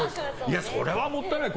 それはもったいないよ。